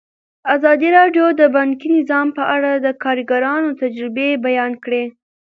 ازادي راډیو د بانکي نظام په اړه د کارګرانو تجربې بیان کړي.